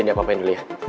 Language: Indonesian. diapa apain dulu ya